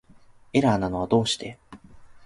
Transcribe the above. エラーなのはどうして